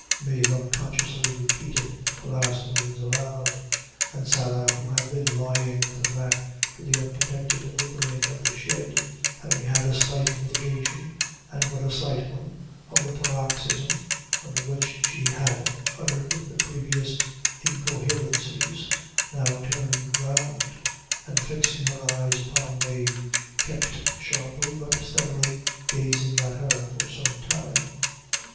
Mave, unconsciously, repeated the last words aloud; and Sarah, who had been lying with her back to the unprotected opening of the shed, having had a slight mitigation, and but a slight one, of the paroxysm under which she had uttered the previous incoherencies, now turned round, and fixing her eyes upon Mave, kept sharply, but steadily, gazing at her for some time.